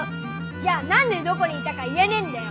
じゃあなんでどこにいたか言えねえんだよ。